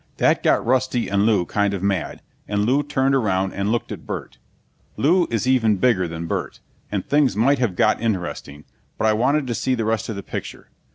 That got Rusty and Lew kind of mad, and Lew turned around and looked at Burt. Lew is even bigger than Burt, and things might have got interesting, but I wanted to see the rest of the picture.